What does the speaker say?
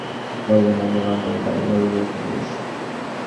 বাসায় পৌঁছানোর পথে খালা বললেন, আমাদের লন্ডনের বাড়িঘরগুলো কিন্তু বেশ ছোট ছোট।